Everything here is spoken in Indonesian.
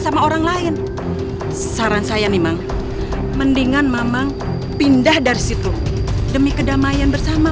sama orang lain saran saya memang mendingan pindah dari situ demi kedamaian bersama